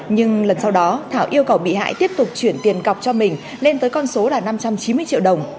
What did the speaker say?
nhưng lần sau đó thảo yêu cầu bị hại tiếp tục chuyển tiền cọc cho mình lên tới con số là năm trăm chín mươi triệu đồng